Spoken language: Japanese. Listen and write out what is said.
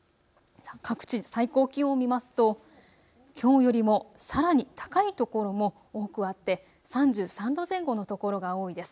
各地、最高気温を見ますときょうよりもさらに高い所も多くあって３３度前後の所が多いです。